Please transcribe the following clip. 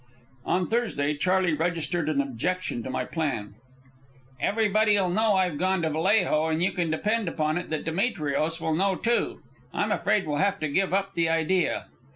On Thursday Charley registered an objection to my plan. "Everybody'll know I've gone to Vallejo, and you can depend upon it that Demetrios will know, too. I'm afraid we'll have to give up the idea."